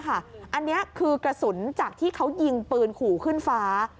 อันนี้คือกระสุนจากที่เขายิงปืนขู่ขึ้นฟ้า